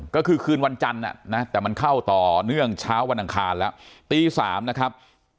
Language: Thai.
ก็คือคืนวันจันทร์แต่มันเข้าต่อเนื่องเช้าวันอังคารแล้วตี๓นะครับ